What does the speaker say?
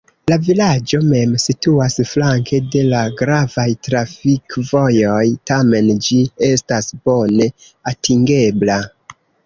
La vilaĝo mem situas flanke de la gravaj trafikvojoj, tamen ĝi estas bone atingebla.